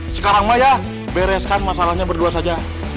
sekarang mah ya bereskan masalahnya berdua saja